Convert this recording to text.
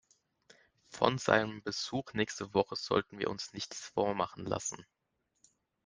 Von seinem Besuch nächste Woche sollten wir uns nichts vormachen lassen.